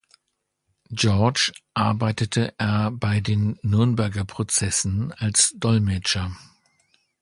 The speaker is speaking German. George arbeitete er bei den Nürnberger Prozessen als Dolmetscher.